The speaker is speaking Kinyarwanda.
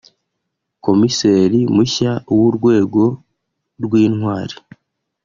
komiseri mushya w’urwego rw’ intwari